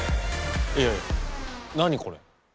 いやいや何これ。